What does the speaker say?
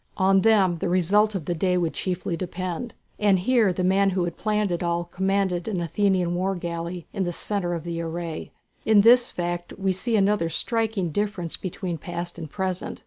On them the result of the day would chiefly depend, and here the man who had planned it all, commanded an Athenian war galley in the centre of the array. In this fact we see another striking difference between past and present.